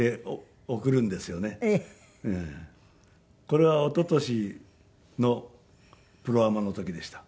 これは一昨年のプロアマの時でした。